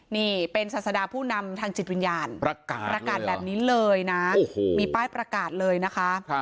นี่เป็นศาสดาผู้นำทางจิตวิญญาณประกาศแบบนี้เลยนะมีป้ายประกาศเลยนะคะ